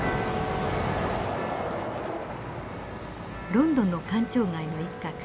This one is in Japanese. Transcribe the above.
ロンドンの官庁街の一角。